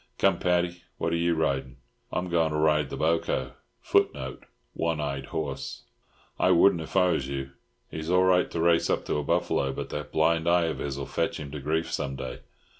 Come, Paddy, what are you riding?" "I'm going to ride the boco." One eyed horse. "I wouldn't if I was you. He's all right to race up to a buffalo, but that blind eye of his'll fetch him to grief some day.